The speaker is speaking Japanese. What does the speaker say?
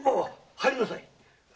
入りなさい。